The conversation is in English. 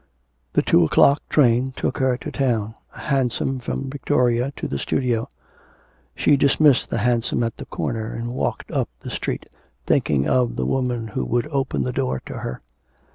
The two o'clock train took her to town, a hansom from Victoria to the studio; she dismissed the hansom at the corner and walked up the street thinking of the woman who would open the door to her.